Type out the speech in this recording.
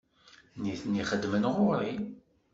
Nitni xeddmen ɣer-i.